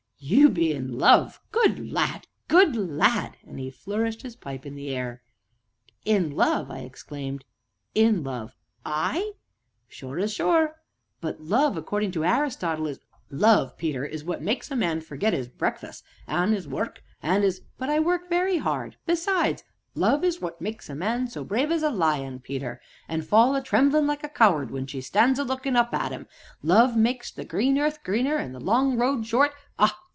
"You be in love good lad! good lad!" and he flourished his pipe in the air. "In love!" I exclaimed; "in love I?" "Sure as sure!" "But love, according to Aristotle, is " "Love, Peter, is what makes a man forget 'is breakfus', an' 'is work, an' 'is " "But I work very hard besides " "Love is what makes a man so brave as a lion, Peter, an' fall a tremblin' like a coward when She stands a lookin' up at 'im; love makes the green earth greener, an' the long road short ah!